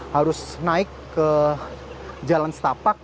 harus naik ke jalan setapak